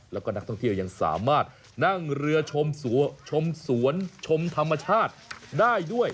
แล้วก็นักท่องเที่ยวยังสามารถนั่งเรือชมสวนชมธรรมชาติได้ด้วย